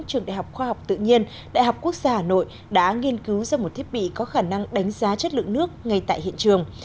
trường đại học khoa học tự nhiên đại học quốc gia hà nội đã nghiên cứu ra một thiết bị có khả năng đánh giá chất lượng nước ngay tại hiện trường